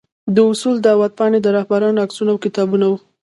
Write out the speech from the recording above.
د اصول دعوت پاڼې، د رهبرانو عکسونه او کتابونه وو.